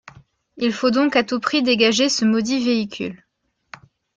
Il faut donc à tout prix dégager ce maudit véhicule.